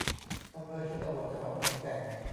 อำเภอชนบท จังหวัดขอนแก่น